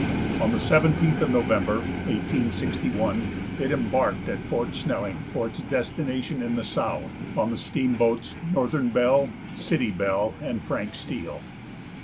On the 17th of November, 1861, it embarked at Fort Snelling for its destination in the South, on the steamboats Northern Belle, City Belle, and Frank Steele.